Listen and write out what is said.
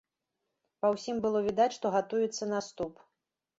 Па ўсім было відаць, што гатуецца наступ.